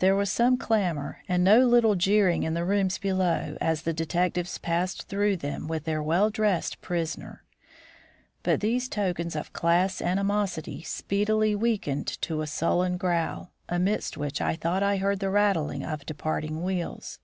There was some clamour and no little jeering in the rooms below as the detectives passed through them with their well dressed prisoner; but these tokens of class animosity speedily weakened to a sullen growl, amidst which I thought I heard the rattling of departing wheels.